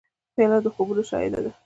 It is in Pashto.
پیاله د خوبونو شاهد ده.